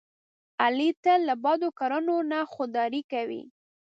علي تل له بدو کړنو نه خوداري کوي.